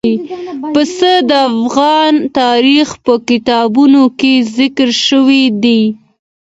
پسه د افغان تاریخ په کتابونو کې ذکر شوی دي.